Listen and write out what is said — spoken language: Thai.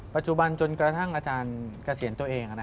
ปัจจุบันจนกระทั่งอาจารย์เกษียณตัวเอง